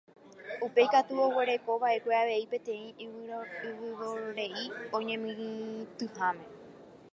Upéi katu oguerekova'ekue avei peteĩ yvyvore'i oñemitỹháme.